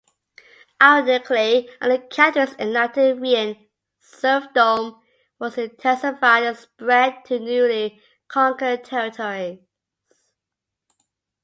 Ironically, under Catherine's enlightened reign, serfdom was intensified and spread to newly conquered territories.